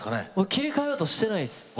切り替えようとしてないです。